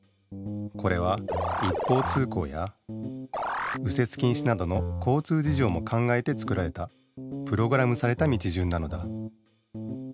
これは一方通行や右折禁止などの交通じじょうも考えて作られたプログラムされた道順なのだ。